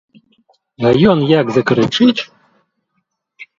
А ён як закрычыць!